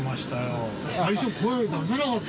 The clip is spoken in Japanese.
最初声出せなかったもんな。